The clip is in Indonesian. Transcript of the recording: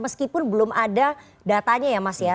meskipun belum ada datanya ya mas ya